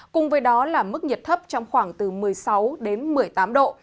cùng với đó là mức nhiệt thấp trong khoảng từ một mươi sáu đến một mươi tám độ